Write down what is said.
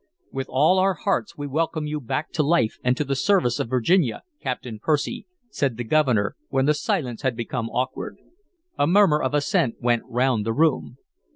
"With all our hearts we welcome you back to life and to the service of Virginia, Captain Percy," said the Governor, when the silence had become awkward. A murmur of assent went round the room.